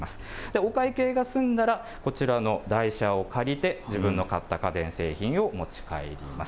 お会計が済んだら、こちらの台車を借りて、自分の買った家電製品を持ち帰ります。